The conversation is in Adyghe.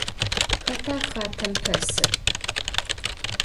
Xeta xatem pesır?